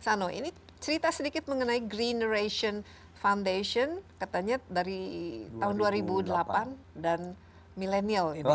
sano ini cerita sedikit mengenai greeneration foundation katanya dari tahun dua ribu delapan dan millennial ini